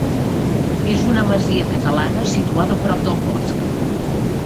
És una masia catalana situada prop del bosc.